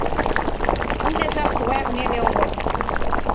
Ынде жап тугаяк неле огыл.